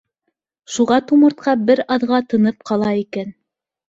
Шуға тумыртҡа бер аҙға тынып ҡала икән.